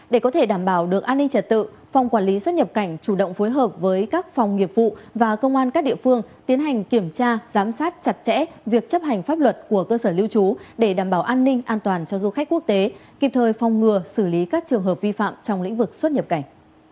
để có thể đảm bảo được an ninh trật tự phòng quản lý xuất nhập cảnh chủ động phối hợp với các phòng nghiệp vụ và công an các địa phương tiến hành kiểm tra giám sát chặt chẽ việc chấp hành pháp luật của cơ sở lưu trú để đảm bảo an ninh an toàn cho du khách quốc tế kịp thời phòng ngừa xử lý các trường hợp vi phạm trong lĩnh vực xuất nhập cảnh